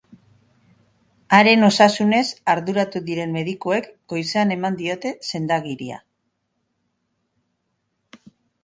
Haren osasunez arduratu diren medikuek goizean eman diote senda-agiria.